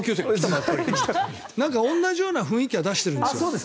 同じような雰囲気は出していますよね。